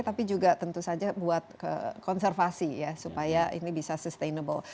tapi juga tentu saja buat konservasi ya supaya ini bisa sustainable